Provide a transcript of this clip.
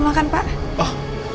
bunga itu anak kecil